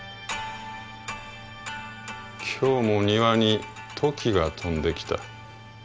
「今日も庭にトキが飛んできた。